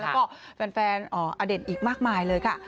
แล้วก็แฟนอเด่นอีกมากมายเลยค่ะ